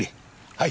はい。